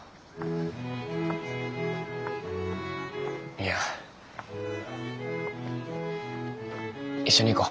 いや一緒に行こう。